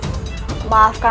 bagaimana menjadi pekuatan